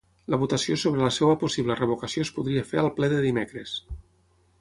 La votació sobre la seva possible revocació es podria fer al ple de dimecres.